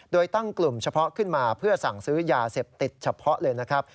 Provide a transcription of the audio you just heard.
โดยตั้งกลุ่มเฉพาะขึ้นมาเพื่อสั่งซื้อยาเสพติดเฉพาะเลยนะครับ